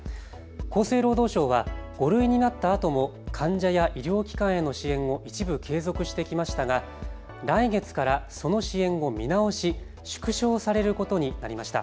厚生労働省は５類になったあとも患者や医療機関への支援を一部継続してきましたが来月からその支援を見直し縮小されることになりました。